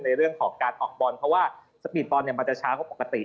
ในเรื่องของการออกบอลเพราะว่าสปีดบอลเนี่ยมันจะช้ากว่าปกติ